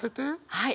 はい。